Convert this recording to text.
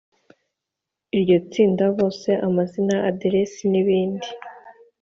Iryo tsinda bose amazina aderesi n ibindi